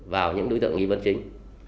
vào những đối tượng nghi vấn chính